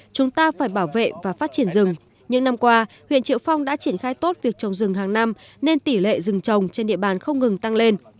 chúng ta phải bảo vệ và phát triển rừng những năm qua huyện triệu phong đã triển khai tốt việc trồng rừng hàng năm nên tỷ lệ rừng trồng trên địa bàn không ngừng tăng lên